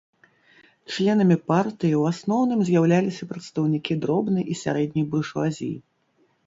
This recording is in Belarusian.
Членамі партыі ў асноўным з'яўляліся прадстаўнікі дробнай і сярэдняй буржуазіі.